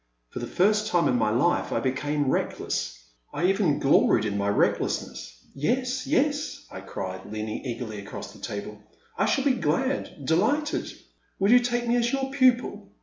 For the first time in my life I became reckless — I even gloried in my recklessness. Yes, yes, I cried, leaning eagerly across the table, '' I shall be glad— delighted ! Will you take me as your pupil?